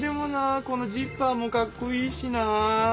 このジッパーもかっこいいしな。